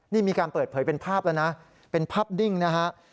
นี่มีการเปิดเผยเป็นภาพแล้วนะเป็นภาพดิ้งนะฮะ